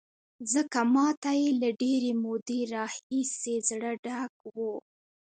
ځکه ما ته یې له ډېرې مودې راهیسې زړه ډک و.